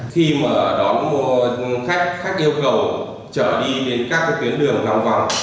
khi mà đón khách khách yêu cầu trở đi đến các tuyến đường lòng vòng